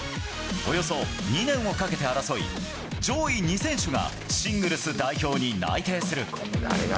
およそ２年をかけて争い、上位２選手がシングルス代表に内定する。